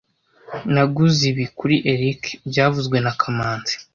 Naguze ibi kuri Eric byavuzwe na kamanzi